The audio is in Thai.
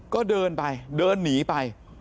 ก็เดินไปเดินหนีไป